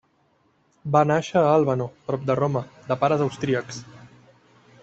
Va nàixer a Albano, prop de Roma, de pares austríacs.